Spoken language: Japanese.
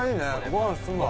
ご飯進むわ。